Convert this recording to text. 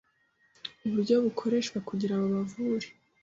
uburyo bukoreshwa kugira babavure